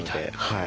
はい。